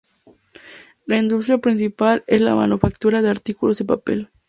La industria principal es la manufactura de artículos de papel.